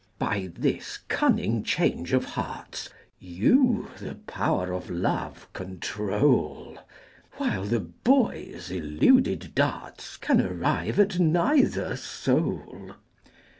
By this cunning change of hearts, You the power of love control; While the boy's eluded darts Can arrive at neither soul.